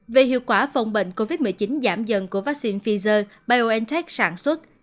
về hiệu quả phòng bệnh covid một mươi chín giảm dần của vaccine pfizer biontech sản xuất